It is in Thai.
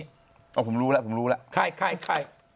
เพราะผมรู้แล้วผมรู้แล้วใคร